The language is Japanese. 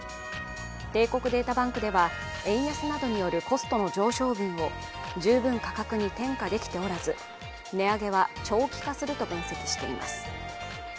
帝国データバンクでは円安などによるコストの上昇分を十分価格に転嫁できておらず、値上げは長期化すると分析しています。